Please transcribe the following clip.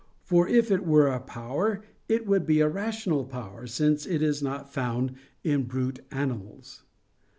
For if it were a power it would be a rational power, since it is not found in brute animals.